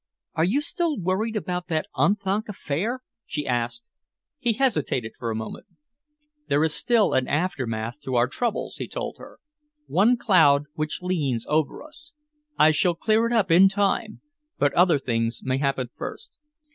"Are you still worried about that Unthank affair?" she asked. He hesitated for a moment. "There is still an aftermath to our troubles," he told her, "one cloud which leans over us. I shall clear it up in time, but other things may happen first."